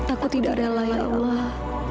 aku tidak rela ya allah